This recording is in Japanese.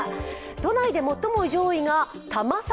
都内で最も上位が多摩境。